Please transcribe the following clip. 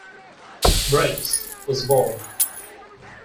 Brakes was born.